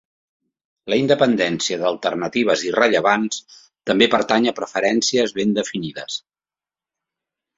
La independència d'alternatives irrellevants també pertany a preferències ben definides.